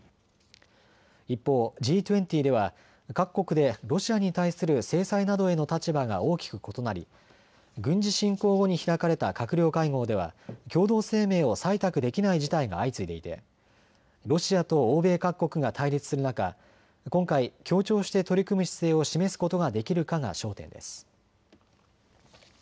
一方、Ｇ２０では各国でロシアに対する制裁などへの立場が大きく異なり軍事侵攻後に開かれた閣僚会合では共同声明を採択できない事態が相次いでいてロシアと欧米各国が対立する中、今回、強調して取り組む姿勢を示すことができるかが焦点です。